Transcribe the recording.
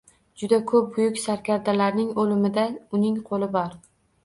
Juda ko’p buyuk sarkardalarning o’limida uning qo’li bor…